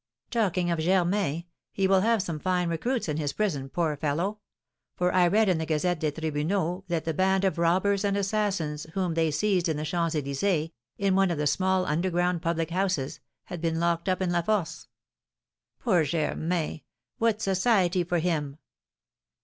"Talking of Germain, he will have some fine recruits in his prison, poor fellow! For I read in the Gazette des Tribunaux that the band of robbers and assassins, whom they seized in the Champs Elysées, in one of the small underground public houses, had been locked up in La Force." "Poor Germain! What society for him!"